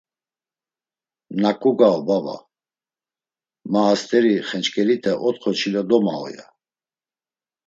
Naǩu gau baba, ma hast̆eri xenç̌ǩelite otxo çilo domau, ya.